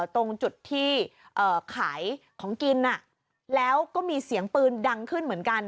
ตรงจุดที่ขายของกินแล้วก็มีเสียงปืนดังขึ้นเหมือนกัน